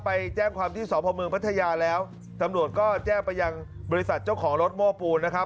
ไปแจ้งความที่สพเมืองพัทยาแล้วตำรวจก็แจ้งไปยังบริษัทเจ้าของรถโม้ปูนนะครับ